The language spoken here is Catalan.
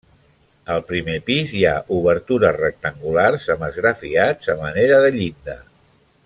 Al primer pis hi ha obertures rectangulars amb esgrafiats a manera de llinda.